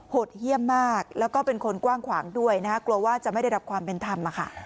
ดเยี่ยมมากแล้วก็เป็นคนกว้างขวางด้วยนะกลัวว่าจะไม่ได้รับความเป็นธรรม